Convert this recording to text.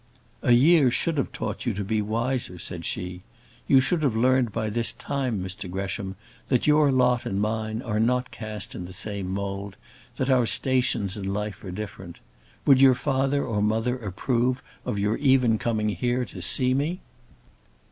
"A year should have taught you to be wiser," said she. "You should have learnt by this time, Mr Gresham, that your lot and mine are not cast in the same mould; that our stations in life are different. Would your father or mother approve of your even coming here to see me?"